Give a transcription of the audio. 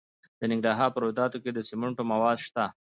د ننګرهار په روداتو کې د سمنټو مواد شته.